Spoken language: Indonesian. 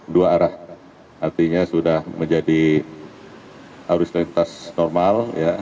dua arah artinya sudah menjadi arus lintas normal